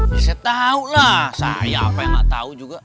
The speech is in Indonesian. bisa tahu lah saya apa yang nggak tahu juga